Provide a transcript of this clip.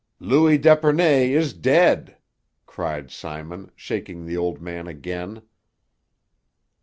"Louis d'Epernay is dead!" cried Simon, shaking the old man again.